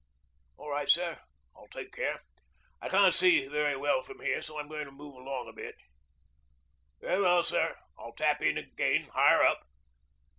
... All right, sir, I'll take care. I can't see very well from here, so I'm going to move along a bit. ... Very well, sir, I'll tap in again higher up.